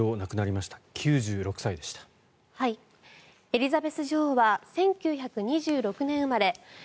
エリザベス女王は１９２６年生まれ。